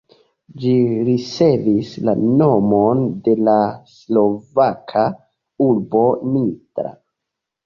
Ĝi ricevis la nomon de la slovaka urbo Nitra.